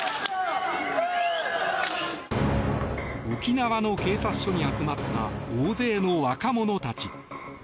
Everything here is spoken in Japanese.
沖縄の警察署に集まった大勢の若者たち。